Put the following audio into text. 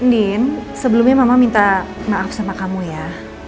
din sebelumnya mama minta maaf sama kamu ya